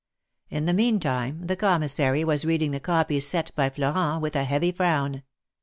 In the meantime the Commissary was reading the copies set by Florent, with a heavy frown.